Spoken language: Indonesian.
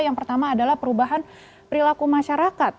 yang pertama adalah perubahan perilaku masyarakat